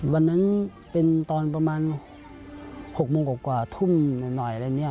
วันนั้นเป็นตอนประมาณ๖๐๐๘๐๐น